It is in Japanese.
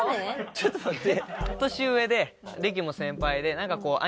ちょっと待って。